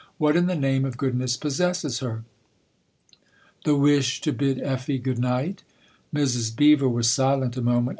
" What in the name of good ness possesses her ?"" The wish to bid Effie good night." Mrs. Beever was silent a moment.